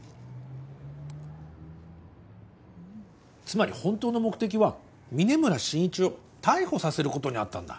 つまり本当の目的は嶺村信一を逮捕させることにあったんだ。